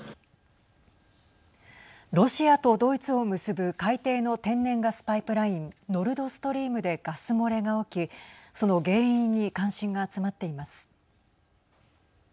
ロシアとドイツを結ぶ海底の天然ガスパイプラインノルドストリームでガス漏れが起きその原因に関心が集まっています。